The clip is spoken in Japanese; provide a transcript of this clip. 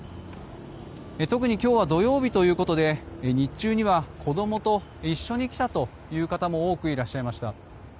特に今日は土曜日ということもあり、日中には子供と一緒に来たという方も多くいらっしゃいました。